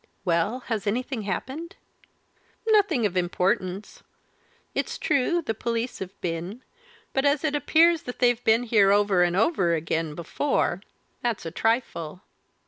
"Well, has anything happened?" "Nothing of importance. It's true the police have been, but as it appears that they've been here over and over again before, that's a trifle.